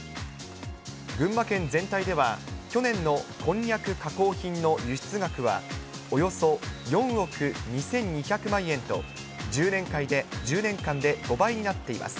群馬県全体では、去年のこんにゃく加工品の輸出額は、およそ４億２２００万円と、１０年間で５倍になっています。